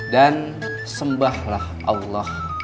dan sembahlah allah